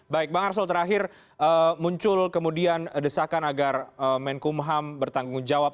baik bang arsul terakhir muncul kemudian desakan agar menkumham bertanggung jawab